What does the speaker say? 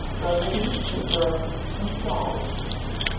Remedy for Burns and Scalds.